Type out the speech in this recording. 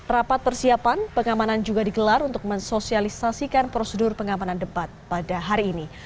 rapat persiapan pengamanan juga digelar untuk mensosialisasikan prosedur pengamanan debat pada hari ini